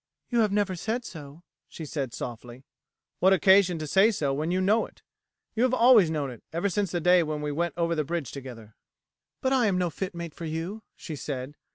"You have never said so," she said softly. "What occasion to say so when you know it? You have always known it, ever since the day when we went over the bridge together." "But I am no fit mate for you," she said.